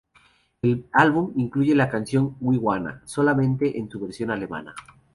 El álbum incluye la canción "We Wanna" solamente en su versión alemana.